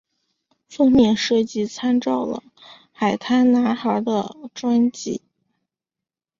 封面设计参照了海滩男孩的专辑。